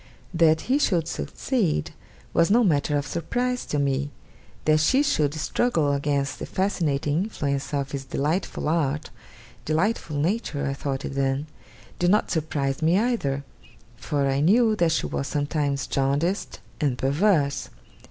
That he should succeed, was no matter of surprise to me. That she should struggle against the fascinating influence of his delightful art delightful nature I thought it then did not surprise me either; for I knew that she was sometimes jaundiced and perverse.